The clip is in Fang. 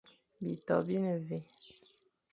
Bitô bi ne mvè,